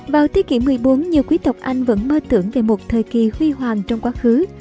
vào thế kỷ một mươi bốn nhiều quý tộc anh vẫn mơ tưởng về một thời kỳ huy hoàng trong quá khứ